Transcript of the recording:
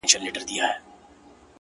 يوې انجلۍ په لوړ اواز كي راته ويــــل ه،